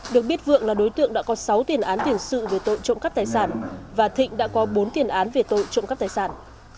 được biết vượng là đối tượng đã có sáu tiền án tiền sự về tội trộm cắp tài sản và thịnh đã có bốn tiền án về tội trộm cắp tài sản